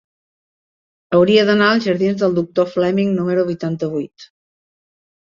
Hauria d'anar als jardins del Doctor Fleming número vuitanta-vuit.